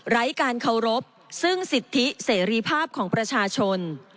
การเคารพซึ่งสิทธิเสรีภาพของประชาชน